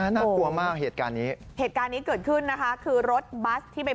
น่ากลัวมากเหตุการณ์นี้